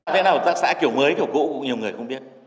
thế nào là tác xã kiểu mới kiểu cũ nhiều người không biết